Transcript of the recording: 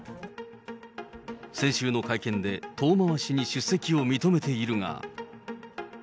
先週の会見で、遠回しに出席を認めているが。